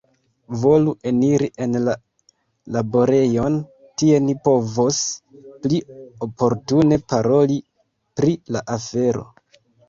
Volu eniri en la laborejon; tie ni povos pli oportune paroli pri la afero.